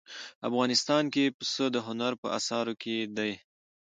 افغانستان کې پسه د هنر په اثار کې دي.